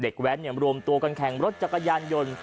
เด็กแว้นเนี่ยรวมตัวกันแข่งรถจักรยานยนต์